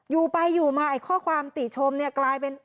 อยู่ไปอยู่มาข้อความติชมกลายเป็น